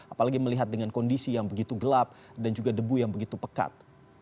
apalagi melihat dengan kondisi yang begitu gelap dan juga debu yang begitu pekat